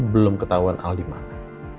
belum ketahuan al dimana